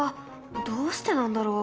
どうしてなんだろう？